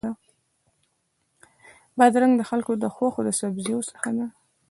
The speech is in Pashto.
بادرنګ د خلکو له خوښو سبزیو څخه دی.